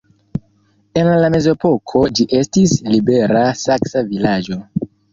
En la mezepoko ĝi estis "libera saksa vilaĝo".